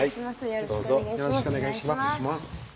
よろしくお願いします